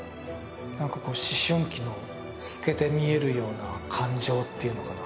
何か思春期の透けて見えるような感情っていうのかな